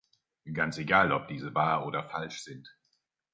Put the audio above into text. Ganz egal, ob diese wahr oder falsch sind.